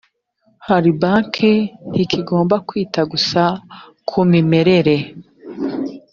ahari banki ntikigomba kwita gusa ku mimerere